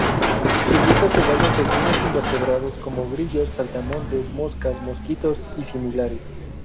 Su dieta se basa en pequeños invertebrados, como grillos, saltamontes, moscas, mosquitos y similares.